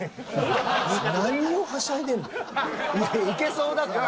いけそうだから。